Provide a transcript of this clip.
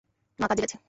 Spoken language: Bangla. মা কাজে গেছে।